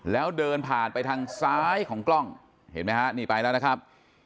แล้วเดินผ่านไปทางซ้ายของกล้องเห็นไหมฮะนี่ไปแล้วนะครับ